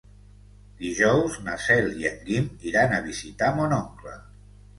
Dijous na Cel i en Guim iran a visitar mon oncle.